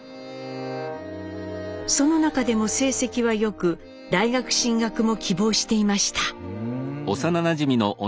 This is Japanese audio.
その中でも成績は良く大学進学も希望していました。